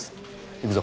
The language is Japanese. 行くぞ。